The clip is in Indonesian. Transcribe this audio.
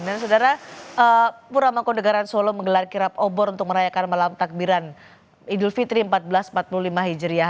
dan saudara puramangkode garan solo menggelar kirap obor untuk merayakan malam takbiran idul fitri seribu empat ratus empat puluh lima hijriah